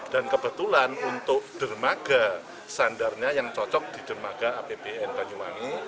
dan kebetulan untuk dermaga sandarnya yang cocok di dermaga apbn banyuwangi